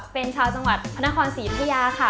เป็นเจ้าจังหวัดพนครศรียุภัยาค่ะ